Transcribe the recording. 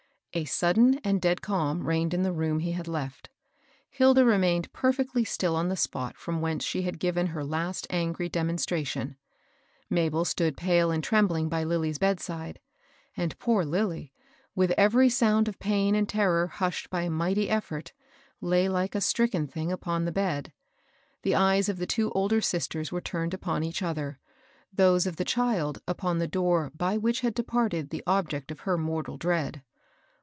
A sudden and dead calm reigned in the room he had left. Hilda remained perfectly still on the q)ot firom whence she had ^ven hex \a&\.«ss.^:^ ^^ssshc 834 MABEL ROSS. onstration ; Mabel stood pale and trembling by Lil ly's bed fiide, and pow Lilly, with every sound oi pain and terror hashed by a mighty effi>rt, lay like a stricken thing upon the bed. The eyes of the two older sisters were tamed upon each other, those of the child upon the door by which had de parted the object oi her mortal dread.